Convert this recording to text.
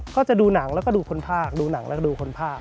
ก็จะดูหนังแล้วก็ดูคนภาคดูหนังแล้วก็ดูคนภาค